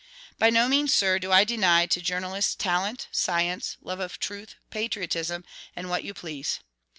By no means, sir, do I deny to journalists talent, science, love of truth, patriotism, and what you please.